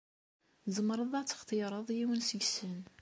Tzemreḍ ad textireḍ yiwen seg-sen.